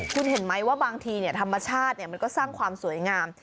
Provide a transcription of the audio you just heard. คุณเห็นไหมว่าบางทีธรรมชาติมันก็สร้างความสวยงาม